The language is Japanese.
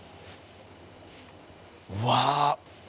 うわ。